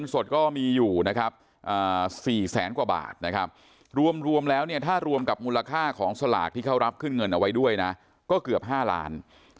สณากิจแก้ไขสลากที่เข้ารับขึ้นเงินเอาไว้ด้วยนะก็เกือบ๕ล้านเงือน